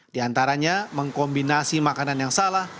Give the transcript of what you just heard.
di antaranya mengkombinasi makanan yang salah